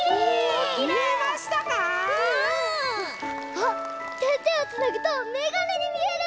あってんてんをつなぐとメガネにみえる！